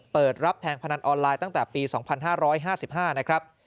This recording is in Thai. เปิดรับแทงพนันออนไลน์ตั้งแต่ปี๒๕๕๕นะครับ